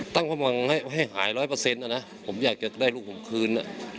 ตั้งความหวังให้หาย๑๐๐นะนะผมอยากจะได้ลูกผมคืน